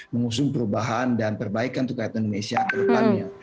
mengusung perubahan dan perbaikan untuk rakyat indonesia ke depannya